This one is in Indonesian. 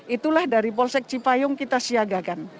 itulah dari polsek cipayung kita siagakan